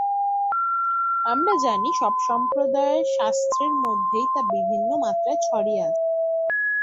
আমরা জানি, সব সম্প্রদায়ের শাস্ত্রের মধ্যেই তা বিভিন্ন মাত্রায় ছড়িয়ে আছে।